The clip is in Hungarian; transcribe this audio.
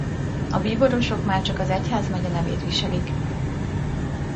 A bíborosok már csak az egyházmegye nevét viselik.